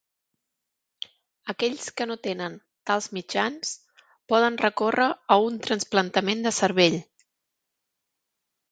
Aquells que no tenen tals mitjans poden recórrer a un trasplantament de cervell.